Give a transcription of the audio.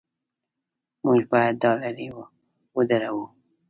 موږ باید دا لړۍ ودروو.